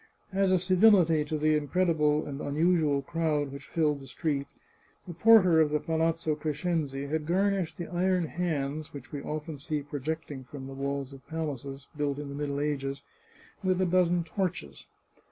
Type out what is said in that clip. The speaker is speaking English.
As a civility to the incredible and unusual crowd which filled the street, the porter of the Palazzo Crescenzi had garnished the iron hands which we often see projecting from the walls of palaces built in the middle ages, with a dozen torches.